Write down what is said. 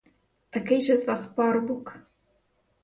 Такий же з вас парубок.